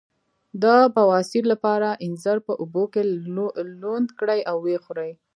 د بواسیر لپاره انځر په اوبو کې لمد کړئ او وخورئ